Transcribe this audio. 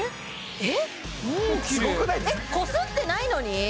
えっこすってないのに！？